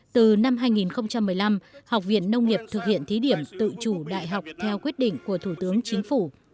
từ năm hai nghìn một mươi năm học viện nông nghiệp thực hiện thí điểm tự chủ đại học theo quyết định của thủ tướng chính phủ